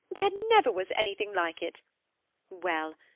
There never was anything like it. Well!